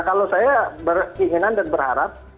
kalau saya beringinan dan berharap